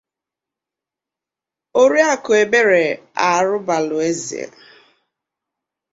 Oriakụ Ebere Arụbalueze